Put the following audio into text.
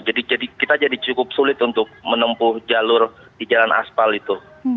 jadi kita jadi cukup sulit untuk menempuh jalur di jalan aspal itu